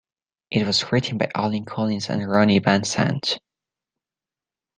It was written by Allen Collins and Ronnie Van Zant.